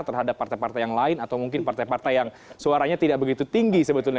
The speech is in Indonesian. terhadap partai partai yang lain atau mungkin partai partai yang suaranya tidak begitu tinggi sebetulnya